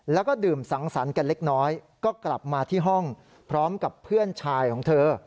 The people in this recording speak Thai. แล้วก็ดื่มสังสรรค์กันเล็กน้อยก็กลับมาที่ห้องพร้อมกับเพื่อนชายของเธอ